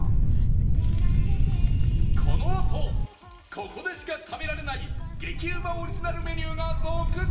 このあとここでしか食べられない激うまオリジナルメニューが続々！